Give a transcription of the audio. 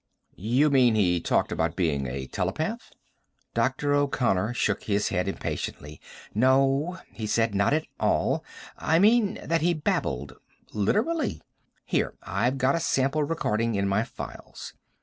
"You mean he talked about being a telepath?" Dr. O'Connor shook his head impatiently. "No," he said. "Not at all. I mean that he babbled. Literally. Here: I've got a sample recording in my files."